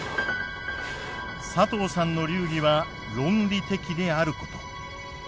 佐藤さんの流儀は論理的であること。